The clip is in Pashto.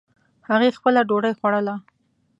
هغې خپله ډوډۍ خوړله